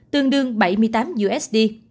tương đương bảy mươi tám usd